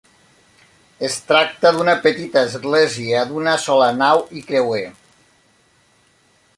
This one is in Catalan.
Es tracta d'una petita església d'una sola nau i creuer.